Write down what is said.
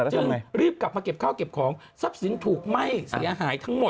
จึงรีบกลับมาเก็บข้าวเก็บของทรัพย์สินถูกไหม้เสียหายทั้งหมด